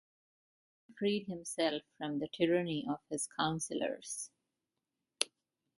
The king freed himself from the tyranny of his councilors.